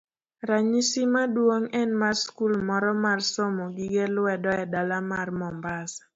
Ranyisi maduong' en mar skul moro mar somo gige lwedo e dala mar Mombasa.